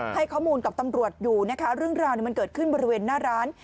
ให้ข้อมูลกับตำรวจอยู่นะคะเรื่องราวมันเกิดขึ้นบริเวณหน้าร้าน